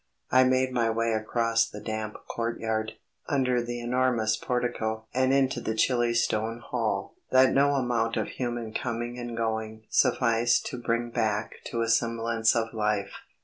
I made my way across the damp court yard, under the enormous portico, and into the chilly stone hall that no amount of human coming and going sufficed to bring back to a semblance of life.